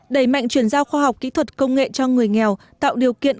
đẩy mạnh chuyển giao khoa học kỹ thuật công nghệ cho người nghèo tạo điều kiện